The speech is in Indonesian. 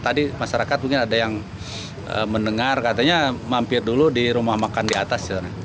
tadi masyarakat mungkin ada yang mendengar katanya mampir dulu di rumah makan di atas